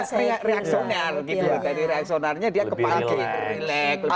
jadi reaksonernya dia kepalanya lebih relax